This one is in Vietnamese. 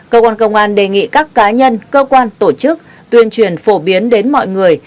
cơ quan công an đề nghị các cá nhân cơ quan tổ chức tuyên truyền phổ biến đến mọi người